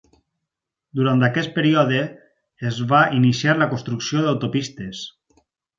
Durant aquest període, es va iniciar la construcció d'autopistes.